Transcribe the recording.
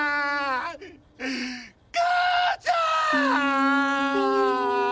母ちゃん！